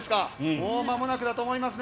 もうまもなくだと思いますね。